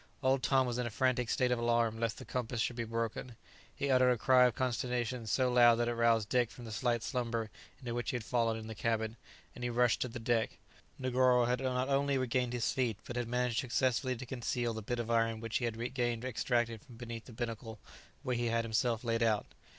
Old Tom was in a frantic state of alarm lest the compass should be broken. He uttered a cry of consternation so loud that it roused Dick from the light slumber into which he had fallen in the cabin, and he rushed to the deck. By the time he had reached the stern, Negoro had not only regained his feet, but had managed successfully to conceal the bit of iron which he had again extracted from beneath the binnacle where he had himself laid it.